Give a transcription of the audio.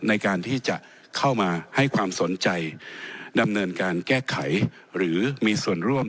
ในการที่จะเข้ามาให้ความสนใจดำเนินการแก้ไขหรือมีส่วนร่วม